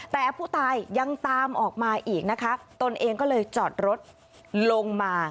แต่ผู้ตายยังตามออกมาอีกนะคะตนเองก็เลยจอดรถลงมา